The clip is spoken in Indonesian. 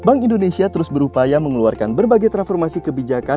bank indonesia terus berupaya mengeluarkan berbagai transformasi kebijakan